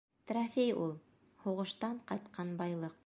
— Трофей ул. Һуғыштан ҡайтҡан байлыҡ.